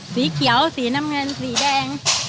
สีเขียวสีน้ำเงินสีแดง